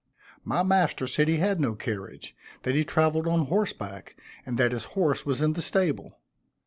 My master said he had no carriage, that he traveled on horse back, and that his horse was in the stable.